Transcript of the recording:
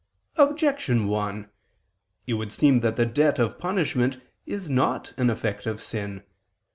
Objection 1: It would seem that the debt of punishment is not an effect of sin.